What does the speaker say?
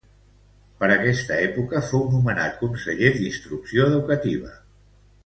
Per aquesta època fou nomenat conseller d'Instrucció educativa.